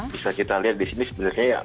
bisa kita lihat disini sebenarnya